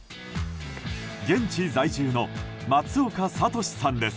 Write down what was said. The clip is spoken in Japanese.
現地在住の松岡吏志さんです。